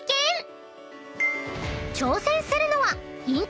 ［挑戦するのは］